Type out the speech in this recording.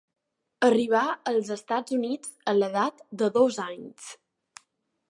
Arribà als Estats Units a l'edat de dos anys.